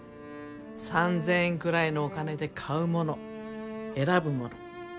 ３，０００円ぐらいのお金で買うもの選ぶもの。